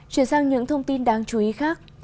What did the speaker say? chuyển sang những thông tin đáng chú ý khác